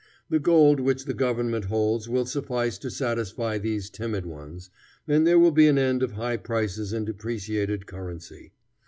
The gold which the government holds will suffice to satisfy these timid ones, and there will be an end of high prices and depreciated currency.